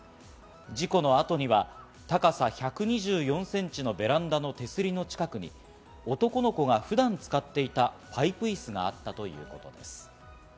事故の後には高さ１２４センチのベランダの手すりの近くに男の子が普段使っていたパイプ椅子があったということです。